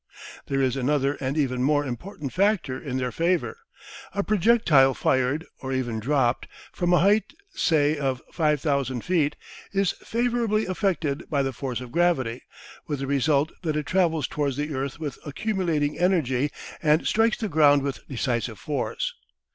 There is another and even more important factor in their favour. A projectile fired, or even dropped, from a height, say of 5,000 feet, is favourably affected by the force of gravity, with the result that it travels towards the earth with accumulating energy and strikes the ground with decisive force.